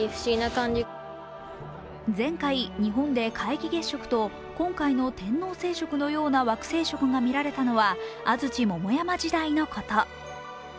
前回、日本で皆既月食と今回の天王星食のような惑星食が見られたのは安土桃山時代のこと。